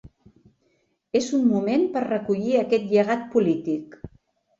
És un moment per recollir aquest llegat polític.